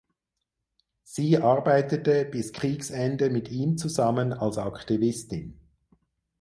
Sie arbeitete bis Kriegsende mit ihm zusammen als Aktivistin.